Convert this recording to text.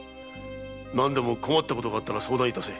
何でも困ったことがあれば相談いたせ。